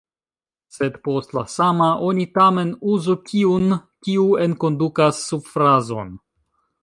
Sed post “la sama” oni tamen uzu kiun, kiu enkondukas subfrazon.